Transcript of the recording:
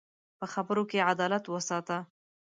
په خبرو کې عدالت وساته